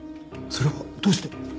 それはどうして？